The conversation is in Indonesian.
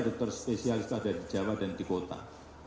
dokter spesialis itu ada di jawa dan di kota